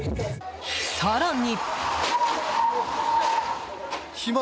更に。